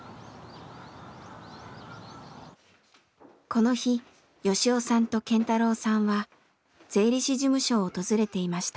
この日吉雄さんと健太郎さんは税理士事務所を訪れていました。